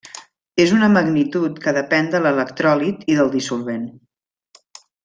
És una magnitud que depèn de l'electròlit i del dissolvent.